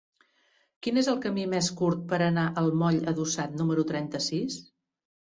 Quin és el camí més curt per anar al moll Adossat número trenta-sis?